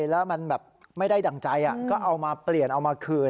แล้วมันแบบไม่ได้ดั่งใจก็เอามาเปลี่ยนเอามาคืน